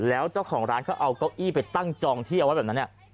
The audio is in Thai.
แล้วเจ้าของร้านเขาเอาเก้าอี้ไปตั้งจองที่เอาไว้แบบนั้น